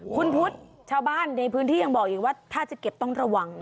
คุณพุทธชาวบ้านในพื้นที่ยังบอกอีกว่าถ้าจะเก็บต้องระวัง